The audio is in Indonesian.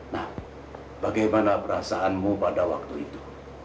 nah bagaimana perasaanmu pada waktu itu